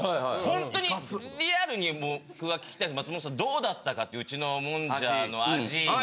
ホントにリアルに僕は聞きたくて松本さんどうだったかってうちのもんじゃの味